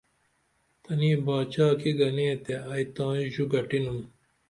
تنی باچا کی گنے تے ائی تائیں ژو گٹینُم